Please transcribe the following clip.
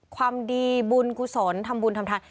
ความดีบุญกุศลทำบุญทำทาน